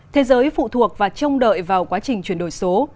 thế giới phụ thuộc và trông đợi vào quá trình chuyển đổi số